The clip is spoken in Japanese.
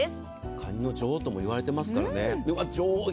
かにの女王ともいわれてますからね。